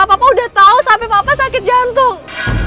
papa udah tau sampai papa sakit jantung